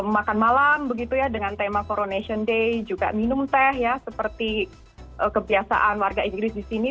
makan malam begitu ya dengan tema coronation day juga minum teh ya seperti kebiasaan warga inggris di sini